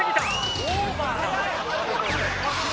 オーバー。